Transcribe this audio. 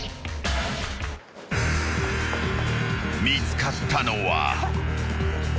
［見つかったのは］